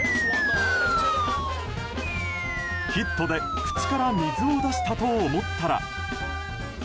ヒットで口から水を出したと思ったら。